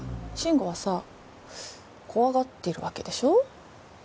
慎吾はさ怖がってるわけでしょ？